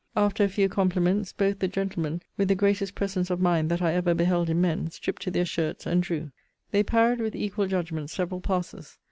After a few compliments, both the gentlemen, with the greatest presence of mind that I ever beheld in men, stript to their shirts, and drew. They parried with equal judgment several passes.